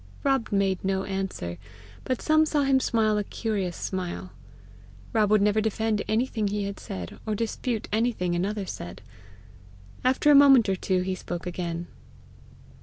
Rob made no answer, but some saw him smile a curious smile. Rob would never defend anything he had said, or dispute anything another said. After a moment or two, he spoke again.